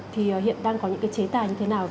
thì hiện đang có những cái chế tài như thế nào